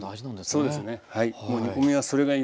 そうですねはい。